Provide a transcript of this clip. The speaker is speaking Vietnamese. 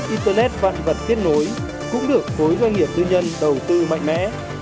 internet vạn vật kết nối cũng được khối doanh nghiệp tư nhân đầu tư mạnh mẽ